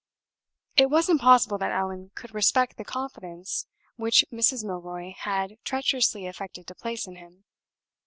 It was impossible that Allan could respect the confidence which Mrs. Milroy had treacherously affected to place in him.